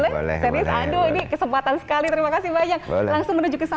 serius aduh ini kesempatan sekali terima kasih banyak